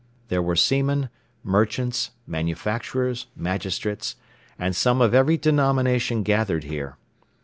There were seamen, merchants, manufacturers, magistrates, and some of every denomination gathered here.